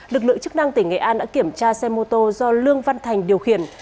lực lượng chức năng tỉnh nghệ an đã kiểm tra xe mô tô do lương văn thành điều khiển